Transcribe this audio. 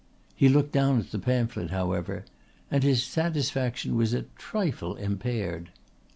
He looked down at the pamphlet however, and his satisfaction was a trifle impaired.